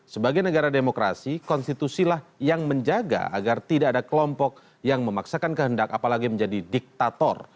sebagai negara demokrasi konstitusilah yang menjaga agar tidak ada kelompok yang memaksakan kehendak apalagi menjadi diktator